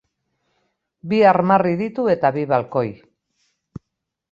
Bi armarri ditu eta bi balkoi.